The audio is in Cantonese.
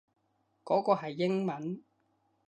嗰個係英文